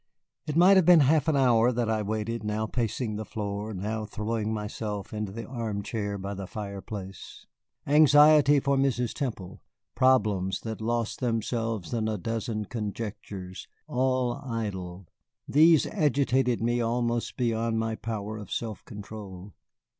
It might have been half an hour that I waited, now pacing the floor, now throwing myself into the arm chair by the fireplace. Anxiety for Mrs. Temple, problems that lost themselves in a dozen conjectures, all idle these agitated me almost beyond my power of self control.